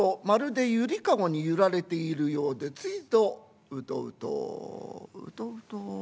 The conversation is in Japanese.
まるで揺りかごに揺られているようでついとうとうとうとうと。